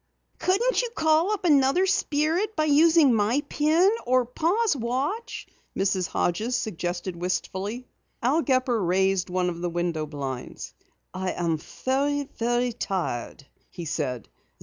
"Couldn't you call up another Spirit by using my pin or Pa's watch?" Mrs. Hodges suggested wistfully. Al Gepper raised one of the window blinds. "I am very, very tired," he said.